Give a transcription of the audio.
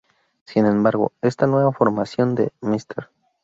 Sin embargo, esta nueva formación de Mr.